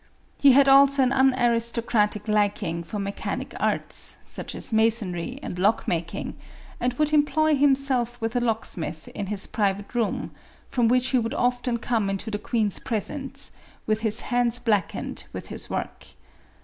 He had also an unaristocratic liking for mechanic arts, such as masonry and lock making, and would employ himself with a locksmith in his private room, from which he would often come into the queen's presence, with his hands blackened with this work.